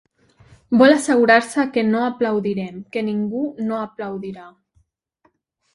Vol assegurar-se que no aplaudirem, que ningú no aplaudirà.